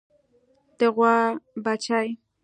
د غوا بچۍ